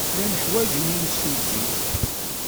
Llan ḥwajen imsujji.